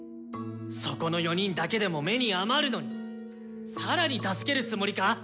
そこの４人だけでも目に余るのに更に助けるつもりか？